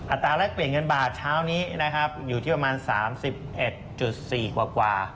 ตราแลกเปลี่ยนเงินบาทเช้านี้นะครับอยู่ที่ประมาณ๓๑๔กว่า